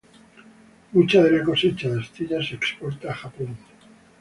Mucha de la cosecha de astillas se exporta a Japón.